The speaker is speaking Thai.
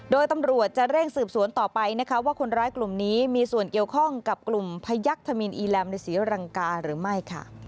โดยตำรวจจะเร่งสืบสวนต่อไปนะคะว่าคนร้ายกลุ่มนี้มีส่วนเกี่ยวข้องกับกลุ่มพยักษมินอีแลมในศรีรังกาหรือไม่